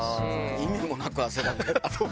意味もなく汗だくやった。